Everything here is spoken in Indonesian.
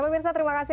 pemirsa terima kasih